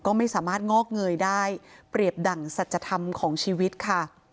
ก็ไม่สามารถงอกเงยได้เปรียบดั่งสัจธรรมของชีวิตค่ะ